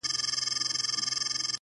ته په زولنو کي د زندان حماسه ولیکه٫